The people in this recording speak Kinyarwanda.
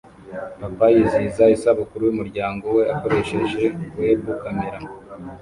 Papa yizihiza isabukuru yumuryango we akoresheje web kamera